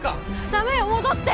ダメよ戻って！